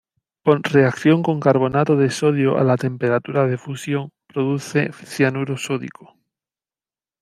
Por reacción con carbonato de sodio a la temperatura de fusión produce cianuro sódico.